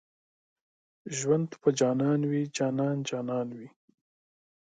ژوند په جانان وي جانان جانان وي